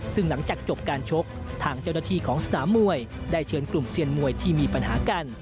ซึ่งหลังจากจบการชกทางเจ้าหน้าที่ของสนามมวยได้เชิญกลุ่มเซียนมวยที่มีปัญหากัน